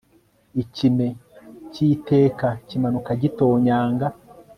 Ikime cyiteka kimanuka gitonyanga